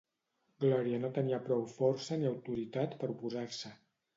Glòria no tenia prou força ni autoritat per oposar-se.